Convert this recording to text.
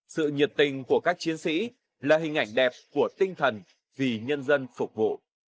sự nhiệt tình của các chiến sĩ là hình ảnh đẹp của tinh thần vì nhân dân phục vụ